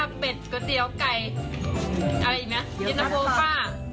ราบเบ็ดกอเตี๋ยวไก่อะไรอย่างเงี้ยแป้กส้มตำ